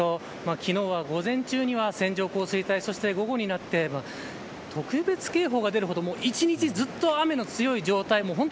昨日は午前中には線状降水帯午後になって特別警報が出るほど１日ずっと雨の強い状態が続いていました。